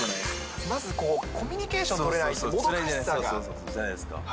まずこう、コミュニケーション取れないっていうそうそう、つらいじゃないですか。